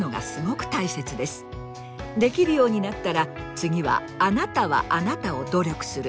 できるようになったら次は“あなたはあなた”を努力する。